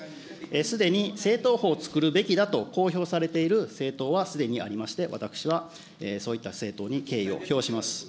すでに政党法を作るべきだと公表されている政党はすでにありまして、私はそういった政党に敬意を表します。